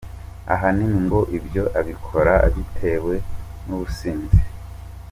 Ahanini ngo ibyo abikora abitewe n’ubusinzi.